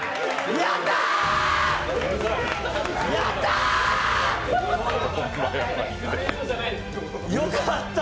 やったー！